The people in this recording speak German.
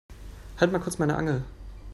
Halt mal kurz meine Angel.